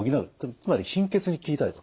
つまり貧血に効いたりですね